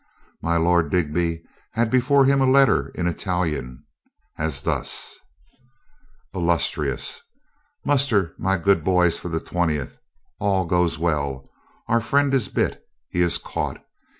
My Lord Digby had before him a letter in Ital ian, as thus: Illustrious — Muster my good boys for the 20th. All goes well. Our friend is bit. He is caught.